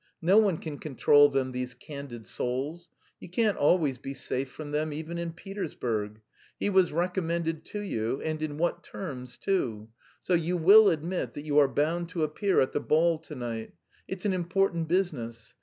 No one can control them, these candid souls! You can't always be safe from them, even in Petersburg. He was recommended to you, and in what terms too! So you will admit that you are bound to appear at the ball to night. It's an important business.